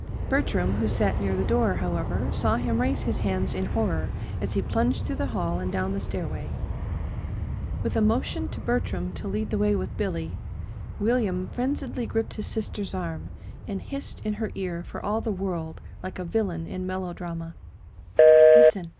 Bertram, who sat near the door, however, saw him raise his hands in horror as he plunged through the hall and down the stairway. With a motion to Bertram to lead the way with Billy, William frenziedly gripped his sister's arm, and hissed in her ear for all the world like a villain in melodrama: "Listen!